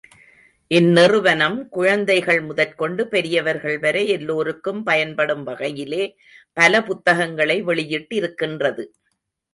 இந்நிறுவனம் குழந்தைகள் முதற்கொண்டு பெரியவர்கள் வரை எல்லோருக்கும் பயன்படும் வகையிலே பல புத்தகங்களை வெளியிட்டிருக்கின்றது.